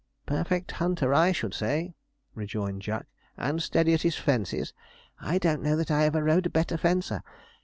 'Perfect hunter, I should say,' rejoined Jack, 'and steady at his fences don't know that I ever rode a better fencer.